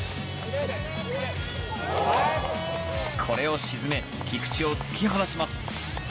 これを沈め、菊地を突き放します。